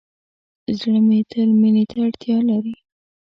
زړه تل مینې ته اړتیا لري.